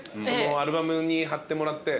アルバムに張ってもらって。